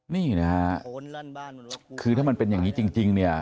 นี่นะฮะคือถ้ามันเป็นอย่างนี้จริงเนี่ย